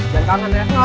jangan kangen ya